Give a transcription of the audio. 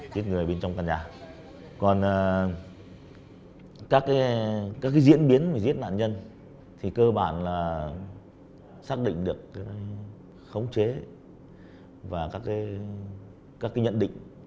còn các cái diễn biến mà giết nạn nhân thì cơ bản là xác định được cái khống chế và các cái nhận định